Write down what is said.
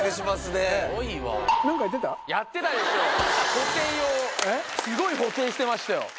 保定をすごい保定してましたよ。